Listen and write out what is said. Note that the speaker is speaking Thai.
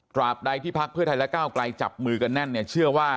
บใดที่พักเพื่อไทยและก้าวไกลจับมือกันแน่นเนี่ยเชื่อว่า